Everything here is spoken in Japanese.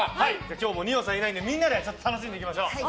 今日も二葉さんいないのでみんなで楽しんでいきましょう。